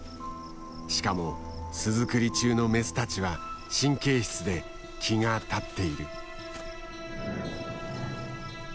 しかも巣作り中のメスたちは神経質で気が立っている。